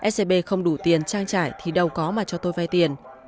scb không đủ tiền trang trải thì đâu có mà cho tôi vay tiền